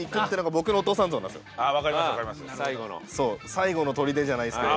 最後の砦じゃないですけど。